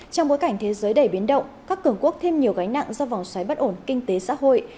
trong bối cảnh thế giới đầy biến động các cường quốc thêm nhiều gánh nặng do vòng xoáy bất ổn kinh tế xã hội